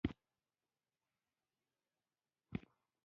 په دې املاکو کې مریانو کار کاوه